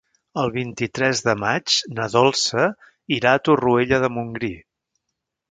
El vint-i-tres de maig na Dolça irà a Torroella de Montgrí.